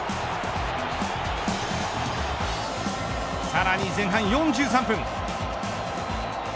さらに前半４３分。